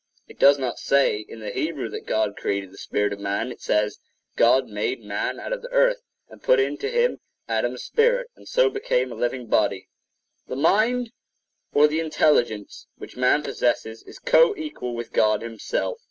It does not say in the Hebrew that God created the spirit of man. It says "God made man out of the earth and put into him Adam's spirit, and so became a living body." The mind or the intelligence which man possesses is co equal 8 with God himself.